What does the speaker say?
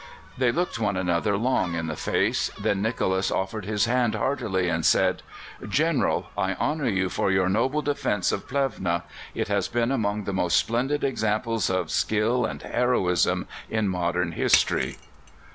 They looked one another long in the face, then Nicholas offered his hand heartily, and said: "General, I honour you for your noble defence of Plevna. It has been among the most splendid examples of skill and heroism in modern history!"